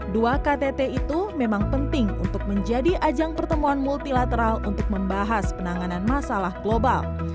dua ktt itu memang penting untuk menjadi ajang pertemuan multilateral untuk membahas penanganan masalah global